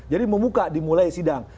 jadi membuka dimulai sidang